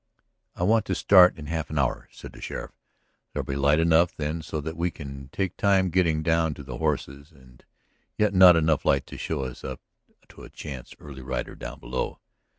"I want to start in half an hour," said the sheriff. "There'll be light enough then so that we can make time getting down to the horses and yet not enough light to show us up to a chance early rider down below.